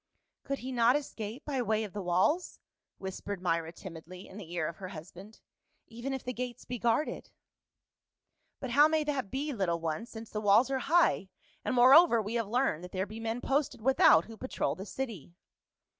"Could he not escape by way of the walls?" whis pered Myra timidly in the ear of her husband ;" even if the gates be guarded." " But how may that be, little one, since the walls are high, and moreover, we have learned that there be men posted without who patrol the city